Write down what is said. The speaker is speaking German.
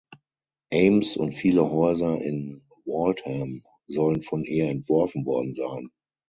Ames und viele Häuser in Waltham sollen von ihr entworfen worden sein.